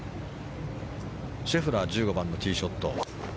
シェフラー１５番のティーショット。